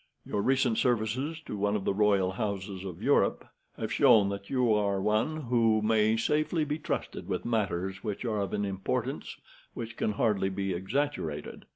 Your recent services to one of the royal houses of Europe have shown that you are one who may safely be trusted with matters which are of an importance which can hardly be exaggerated.